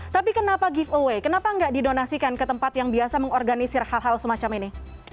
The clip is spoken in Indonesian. tapi kenapa give away kenapa nggak didonasikan ke tempat yang biasa mengorganisir hal hal semacam ini